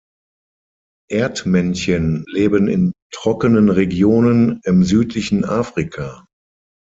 Erdmännchen leben in trockenen Regionen im südlichen Afrika.